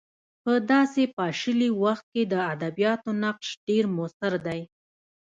په داسې پاشلي وخت کې د ادبیاتو نقش ډېر موثر دی.